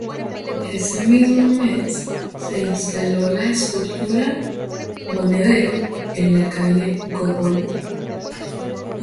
Ese mismo mes se instaló la escultura "Monedero" en la calle Gógol.